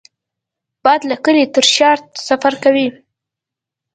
باد له کلي تر ښار سفر کوي